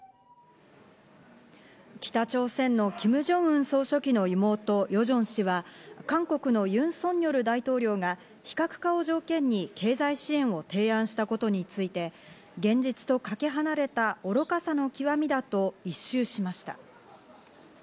北朝鮮のキム・ジョンウン総書記の妹・ヨジョン氏は、韓国のユン・ソンニョル大統領が非核化を条件に経済支援を提案したことについて、現実とかけ離れた、愚かさの極みだと一蹴しました。